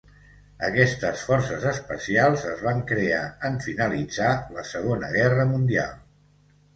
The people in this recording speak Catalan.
Aquestes forces especials es van crear en finalitzar la Segona Guerra Mundial.